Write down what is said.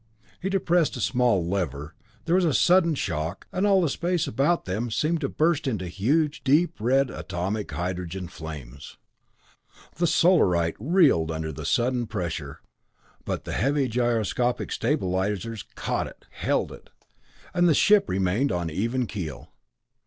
He depressed a small lever there was a sudden shock, and all the space about them seemed to burst into huge, deep red atomic hydrogen flames. The Solarite reeled under the sudden pressure, but the heavy gyroscopic stabilizers caught it, held it, and the ship remained on an even keel.